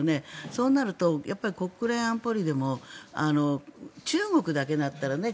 そうなると国連安保理でも中国だけだったらね